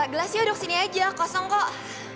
glasio duk sini aja kosong kok